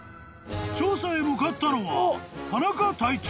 ［調査へ向かったのは田中隊長］